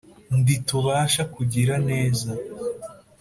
nditubasha kugira neza....